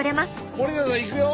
森田さんいくよ。